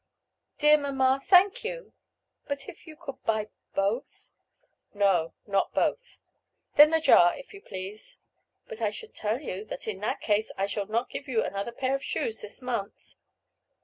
"Dear mamma, thank you but if you could buy both?" "No, not both." "Then the jar, if you please." "But I should tell you, that in that case I shall not give you another pair of shoes this month."